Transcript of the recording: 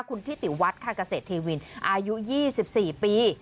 คุณที่ติวัฒน์ค่ะกระเศษเทวินอายุ๒๔ปี